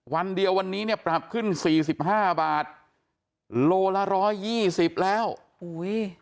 วันเดียววันนี้เนี่ยปรับขึ้นสี่สิบห้าบาทโลละร้อยยี่สิบแล้วอุ้ย